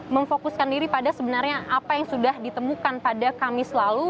memfokuskan diri pada sebenarnya apa yang sudah ditemukan pada kamis lalu